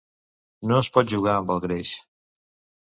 No es pot jugar amb el greix.